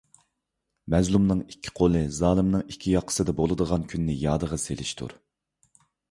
مەزلۇمنىڭ ئىككى قولى زالىمنىڭ ئىككى ياقىسىدا بولىدىغان كۈننى يادىغا سېلىشتۇر.